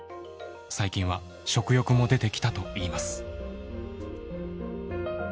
最近は食欲も出てきたといいます。